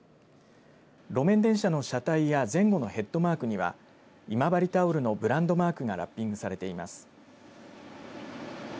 路面電車の車体や前後のヘッドマークには今治タオルのブランドマークがラッピングされています。